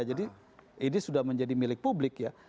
jadi ini sudah menjadi milik publik ya